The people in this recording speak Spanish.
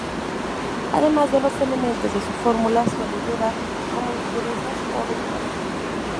Además de los elementos de su fórmula, suele llevar como impurezas: oro y plomo.